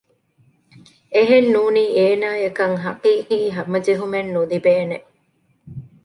އެހެން ނޫނީ އޭނާއަކަށް ޙަޤީޤީ ހަމަޖެހުމެއް ނުލިބޭނެ